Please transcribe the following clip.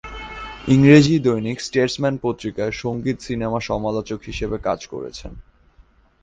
ইংরাজী দৈনিক "স্টেটসম্যান" পত্রিকায় সংগীত-সিনেমা সমালোচক হিসাবে কাজ করেছেন।